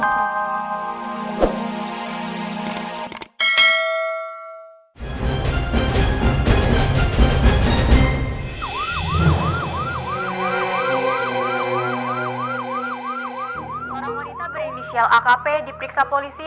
orang wanita berinisial akp dipriksa polisi